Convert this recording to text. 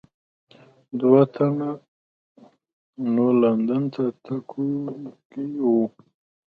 دوه تنه نور لندن ته تګونکي وو.